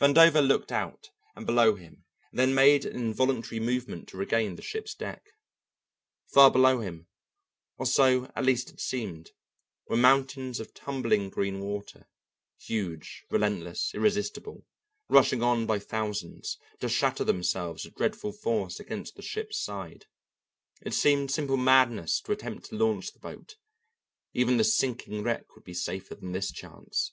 Vandover looked out and below him and then made an involuntary movement to regain the ship's deck. Far below him, or so at least it seemed, were mountains of tumbling green water, huge, relentless, irresistible, rushing on by thousands, to shatter themselves with dreadful force against the ship's side. It seemed simple madness to attempt to launch the boat; even the sinking wreck would be safer than this chance.